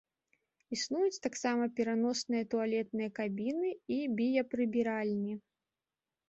Існуюць таксама пераносныя туалетныя кабіны і біяпрыбіральні.